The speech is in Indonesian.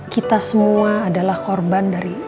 kita semua adalah korban dari